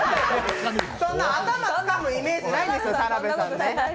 そんな頭つかむイメージないんですよ、田辺さんね。